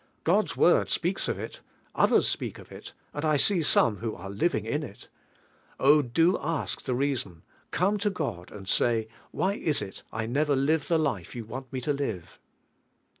God's Word speaks of it, others speak of it. ;ind I see some who ore living in it." Oli, do ask the reason; e e to fled and say: "Why ia it I never live the life You wan! me to live?"